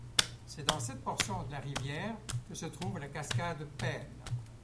C'est dans cette portion de la rivière que se trouve la cascade Paine.